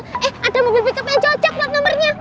eh ada mobil pick upnya cocok pak nomernya